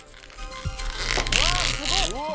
うわすごっ！